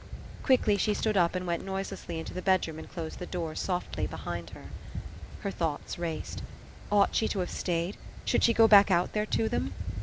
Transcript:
Quickly she stood up and went noise lessly into the bedroom and closed the door softly behind her. Her thoughts raced. Ought she to have stayed? Should she go back out there to them?